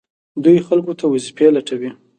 دوی خلکو ته وظیفې لټوي.